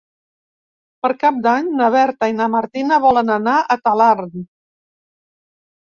Per Cap d'Any na Berta i na Martina volen anar a Talarn.